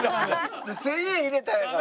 １０００円入れたんやから。